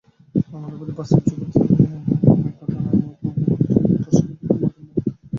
আমাদের বাস্তব জগতের অনেক ঘটনাকেই আমরা প্রবাবিলিটির মাধ্যমে ব্যাখ্যা করতে পারি।